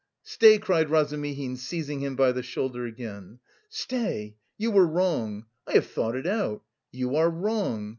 "Stay!" cried Razumihin, seizing him by the shoulder again. "Stay! you were wrong. I have thought it out. You are wrong!